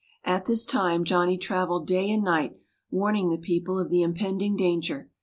At this time Johnny traveled day and night, warning the people of the impending danger.